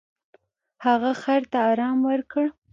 هغه خر ته ارام ورکړ.